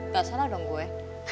gak salah dong gue